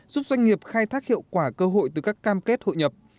giúp doanh nghiệp khai thác hiệu quả cơ hội từ các cam kết hội nhập